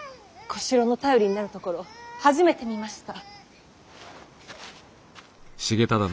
小四郎の頼りになるところ初めて見ました。